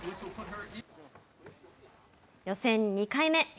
予選２回目。